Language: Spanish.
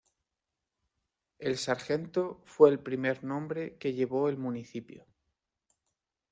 El Sargento fue el primer nombre que llevó el municipio.